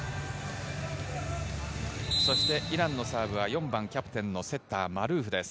イランのサーブは４番キャプテンのセッター、マルーフです。